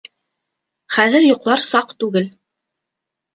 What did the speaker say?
— Хәҙер йоҡлар саҡ түгел.